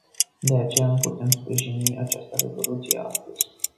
De aceea nu putem sprijini această rezoluție astăzi.